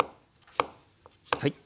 はい。